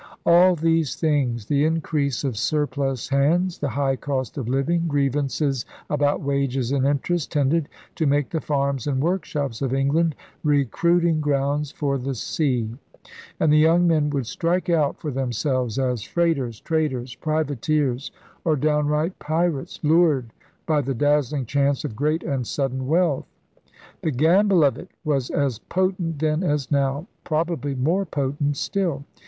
All these things — the increase of surplus hands, the high cost of living, grievances about wages and interest — tended to make the farms and workshops of England recruiting grounds for the sea; and the young men would strike out for themselves as freighters, traders, privateers, or downright pirates, lured by the dazzling chance of great and sudden wealth. *The gamble of it' was as potent then as now, probably more potent still.